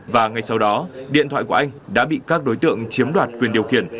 và ngay sau đó điện thoại của anh đã bị các đối tượng chiếm đoạt quyền điều khiển